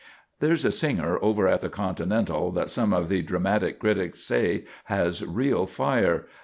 There's a singer over at the Continental that some of the dramatic critics say has real fire.